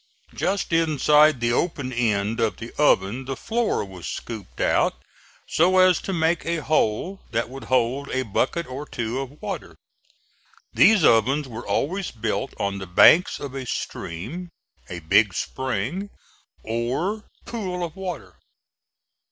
Just inside the open end of the oven the floor was scooped out so as to make a hole that would hold a bucket or two of water. These ovens were always built on the banks of a stream, a big spring, or pool of water.